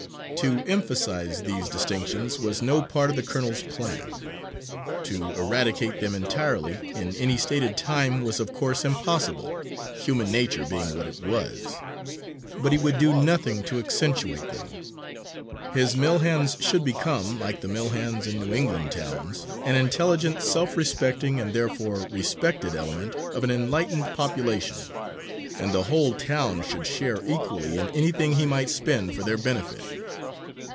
To emphasise these distinctions was no part of the colonel's plan. To eradicate them entirely in any stated time was of course impossible, human nature being what it was, but he would do nothing to accentuate them. His mill hands should become, like the mill hands in New England towns, an intelligent, self respecting and therefore respected element of an enlightened population; and the whole town should share equally in anything he might spend for their benefit.